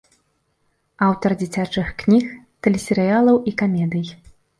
Аўтар дзіцячых кніг, тэлесерыялаў і камедый.